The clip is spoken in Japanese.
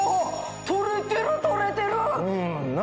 取れてる取れてる！な？